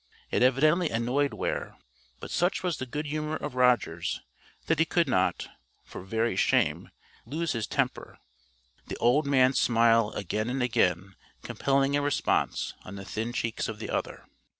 It evidently annoyed Weir; but such was the good humour of Rogers, that he could not, for very shame, lose his temper, the old man's smile again and again compelling a response on the thin cheeks of the other."